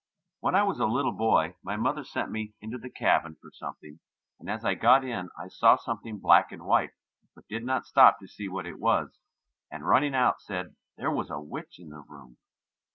When I was a little boy my mother sent me into the cabin room for something, and as I got in I saw something black and white, but did not stop to see what it was, and running out said there was a witch in the room.